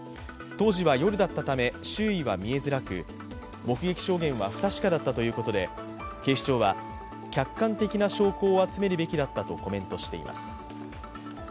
当時は夜だったため、周囲は見えづらく目撃証言は不確かだったということで、警視庁は、客観的な証拠をあつめるべきだったとコメントしています。